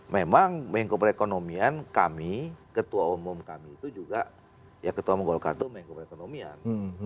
memang menko perekonomian kami ketua umum kami itu juga ya ketua menggolkar itu mengko perekonomian